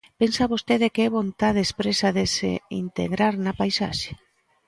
Pensa vostede que é vontade expresa de se integrar na paisaxe.